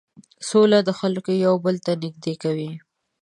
سوله خلک یو بل ته نژدې کوي.